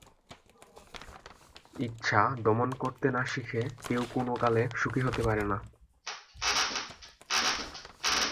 ইচ্ছা দমন করতে না শিখে কেউ কোনো কালে সুখী হতে পারে না।